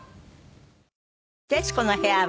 『徹子の部屋』は